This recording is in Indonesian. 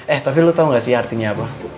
eh tapi lo tau gak sih artinya apa